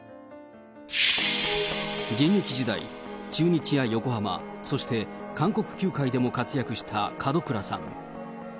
現役時代、中日や横浜、そして韓国球界でも活躍した門倉さん。